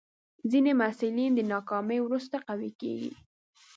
ځینې محصلین د ناکامۍ وروسته قوي کېږي.